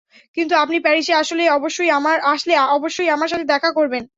কিন্তু, আপনি প্যারিসে আসলে অবশ্যই আমার সাথে দেখা করবেন।